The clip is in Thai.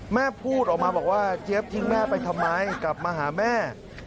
แม่พูดออกมาบอกว่าเจี๊ยบทิ้งแม่ไปทำไมกลับมาหาแม่